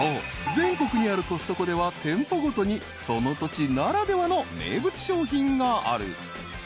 全国にあるコストコでは店舗ごとにその土地ならではの名物商品がある］